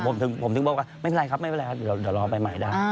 ผมถึงบอกว่าไม่เป็นไรครับไม่เป็นไรครับเดี๋ยวรอไปใหม่ได้